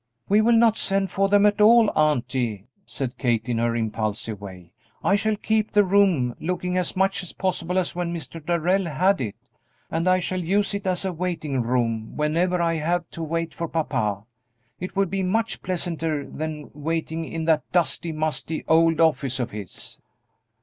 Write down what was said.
"We will not send for them at all, auntie," said Kate, in her impulsive way; "I shall keep the room looking as much as possible as when Mr. Darrell had it, and I shall use it as a waiting room whenever I have to wait for papa; it will be much pleasanter than waiting in that dusty, musty old office of his."